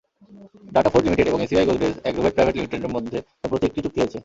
Datafort limited এবং ACI Godrej Agrovet private লিমিটেডের মধ্যে সম্প্রতি একটি চুক্তি হয়েছে।